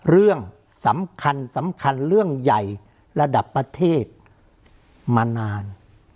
เรื่องสำคัญสำคัญเรื่องใหญ่ระดับประเทศมานาน